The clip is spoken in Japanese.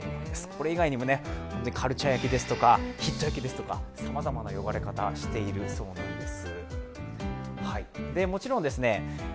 これ以外にもカルチャー焼きですとかヒット焼きですとかさまざまな呼ばれ方をしているそうなんです。